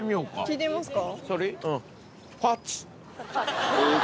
聞いてみますか。